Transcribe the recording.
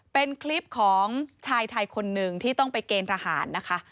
เป็นคลิปของชายไทยคนหนึ่งที่ต้องไปเกณฑ์ทหารนะคะ